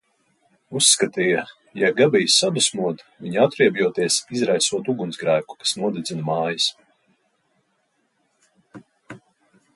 Uzskatīja, ja Gabija sadusmota, viņa atriebjoties izraisot ugunsgrēku, kas nodedzina mājas.